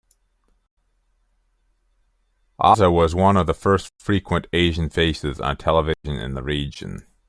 Oza was one of the first frequent Asian faces on television in the region.